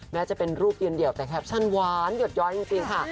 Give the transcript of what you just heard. แม้จะเป็นรูปเย็นเดี่ยวแต่แคปชั่นหวานหยดย้อยจริงค่ะ